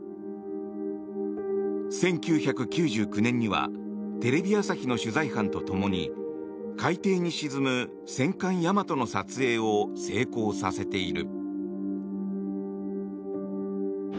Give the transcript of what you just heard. １９９９年にはテレビ朝日の取材班とともに海底に沈む戦艦「大和」の撮影を成功させている。